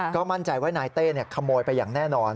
ก็มั่นใจว่านายเต้ขโมยไปอย่างแน่นอน